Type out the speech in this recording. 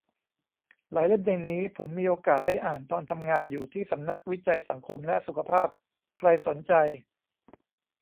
หลายเล่มในนี้ผมมีโอกาสได้อ่านตอนทำงานอยู่ที่สำนักวิจัยสังคมและสุขภาพ ใครสนใจ